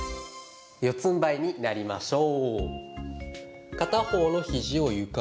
四つんばいになりましょう。